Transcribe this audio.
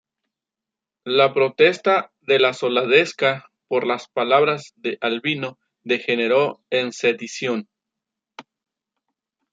La protesta de la soldadesca por las palabras de Albino degeneró en sedición.